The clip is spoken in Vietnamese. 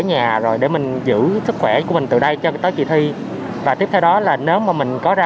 nhà rồi để mình giữ sức khỏe của mình từ đây cho tới kỳ thi và tiếp theo đó là nếu mà mình có ra